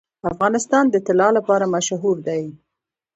افغانستان د طلا لپاره مشهور دی.